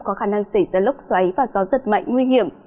có khả năng xảy ra lốc xoáy và gió giật mạnh nguy hiểm